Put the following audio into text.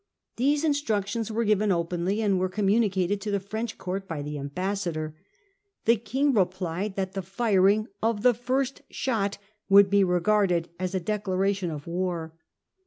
These instructions were given openly, and were communicated to the French Court by the ambassador. The king replied that the firing of the first shot would be rcgaixled as a declaration of war.